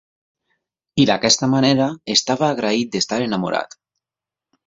I, d'aquesta manera, estava agraït d'estar enamorat.